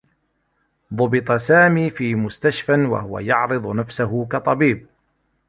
ضُبِط سامي في مستشفى و هو يعرض نفسه كطبيب.